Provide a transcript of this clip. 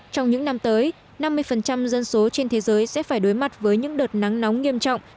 trong những năm tới năm mươi dân số trên thế giới sẽ phải đối mặt với những đợt nắng nóng nghiêm trọng